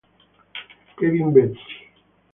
Kevin Betsy